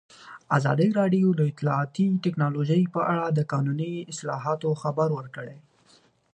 ازادي راډیو د اطلاعاتی تکنالوژي په اړه د قانوني اصلاحاتو خبر ورکړی.